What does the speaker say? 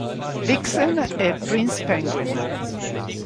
Vixen, e Prince Penguin.